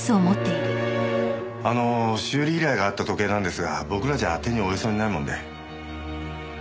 あのー修理依頼があった時計なんですが僕らじゃ手に負えそうにないもんで。